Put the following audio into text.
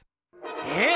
えっ！